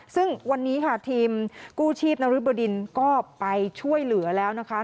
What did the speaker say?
ซึ่งวันนี้ค่ะทีมกู้ชีพนริบดินก็ไปช่วยเหลือแล้วนะคะ